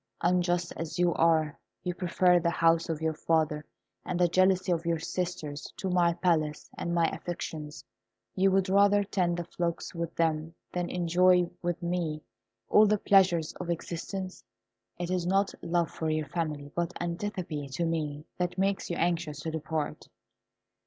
Unjust as you are, you prefer the house of your father and the jealousy of your sisters to my palace and my affections. You would rather tend the flocks with them than enjoy with me all the pleasures of existence. It is not love for your family, but antipathy to me, that makes you anxious to depart."